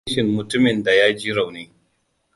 Muna iya jin nishin mutumin da ya ji rauni.